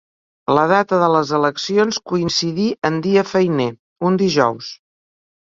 La data de les eleccions coincidí en dia feiner, un dijous.